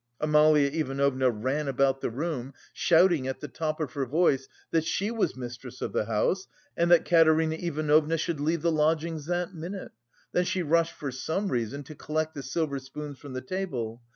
Amalia Ivanovna ran about the room, shouting at the top of her voice, that she was mistress of the house and that Katerina Ivanovna should leave the lodgings that minute; then she rushed for some reason to collect the silver spoons from the table.